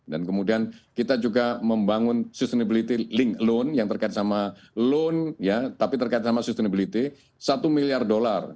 dan kemudian kita juga membangun sustainability loan yang terkait sama loan ya tapi terkait sama sustainability satu miliar dollar